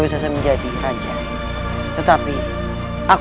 mempunyai senopati seperti mahesa